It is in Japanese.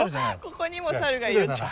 ここにも猿がいるって。